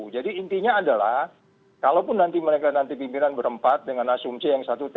jadi intinya adalah kalaupun nanti mereka pimpinan berempat dengan asumsi yang satu satunya